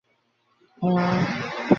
গোপাল আপসোস করিয়া বলে, বেগার খেটেই তুমি মরলে।